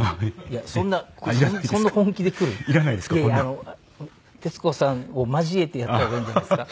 いやいやあの徹子さんを交えてやった方がいいんじゃないですか？